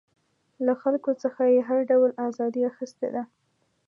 له خلکو څخه یې هر ډول ازادي اخیستې ده.